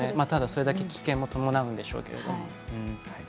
ただ、それだけ危険も伴うんでしょうけれども。